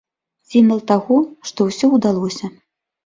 Сімвал таго, што ўсё ўдалося.